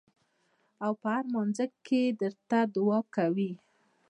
او پۀ هر مانځه کښې درته دعا کوي ـ